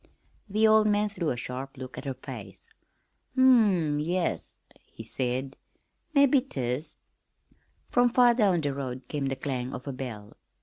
The old man threw a sharp look at her face. "Hm m, yes," he said. "Mebbe 't is." From far down the road came the clang of a bell.